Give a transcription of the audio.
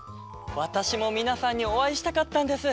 わたしもみなさんにおあいしたかったんです！